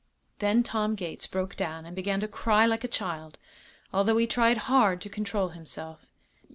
Then Tom Gates broke down and began to cry like a child, although he tried hard to control himself.